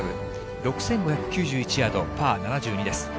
６５９１ヤード、パー７２です。